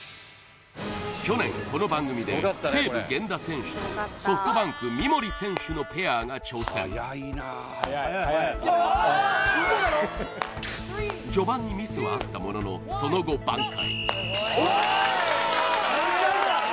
去年この番組で西武源田選手とソフトバンク三森選手のペアが挑戦序盤にミスはあったもののその後挽回